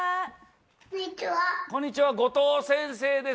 こんにちは後藤先生です